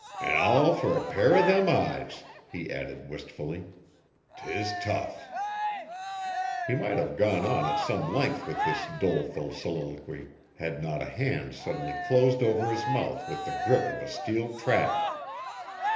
"An' all fer a pair o' them eyes," he added, wistfully. "'Tis tough." He might have gone on at some length with this doleful soliloquy had not a hand suddenly closed over his mouth with the grip of a steel trap.